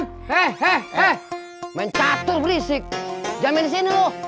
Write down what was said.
hei hei hei mencatur berisik jangan main di sini lo